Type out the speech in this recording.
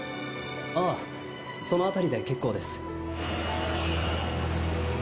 ああその辺りで結構です。